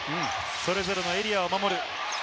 それぞれのエリアを守る。